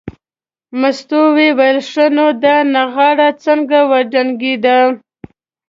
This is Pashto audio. مستو وویل ښه نو دا نغاره څنګه وډنګېده.